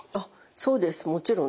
そうですもちろんです。